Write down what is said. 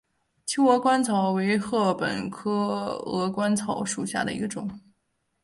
秋鹅观草为禾本科鹅观草属下的一个种。